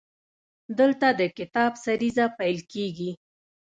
دلته د کتاب سریزه پیل کیږي.